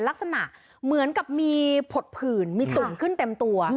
ลักษณะเหมือนกับมีผดผื่นมีตุ่มขึ้นเต็มตัว